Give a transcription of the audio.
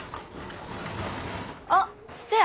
あっせや！